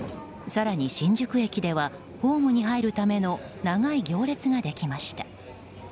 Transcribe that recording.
更に新宿駅ではホームに入るための長い行列ができました。